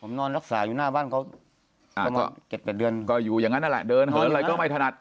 นอนรักษาอยู่หน้าบ้านเขาแล้วก็๗๘เดือนก็อยู่อย่างนั้นนั่นแหละเดินเหินอะไรก็ไม่ถนัด